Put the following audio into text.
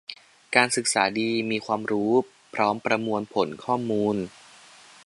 การศึกษาดี มีความรู้ พร้อมประมวลผลข้อมูล